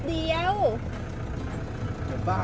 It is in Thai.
กินข้าวขอบคุณครับ